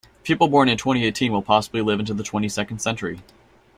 People born in twenty-eighteen will possibly live into the twenty-second century.